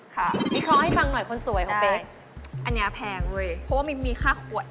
วิเคราะห์ให้ฟังหน่อยคนสวยของเป๊กอันนี้แพงเว้ยเพราะว่ามีค่าขวด